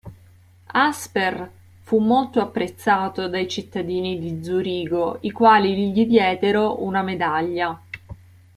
Asper fu molto apprezzato dai cittadini di Zurigo, i quali gli diedero una medaglia.